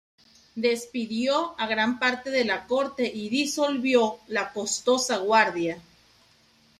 Despidió a gran parte de la corte y disolvió la costosa guardia.